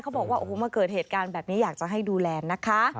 บอกว่าโอ้โหมาเกิดเหตุการณ์แบบนี้อยากจะให้ดูแลนะคะ